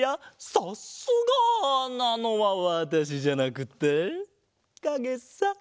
「さっすが！」なのはわたしじゃなくってかげさ。